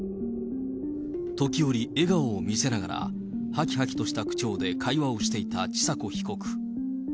時折笑顔を見せながら、はきはきとした口調で会話をしていた千佐子被告。